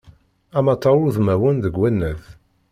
Amatar udmawan deg wannaḍ.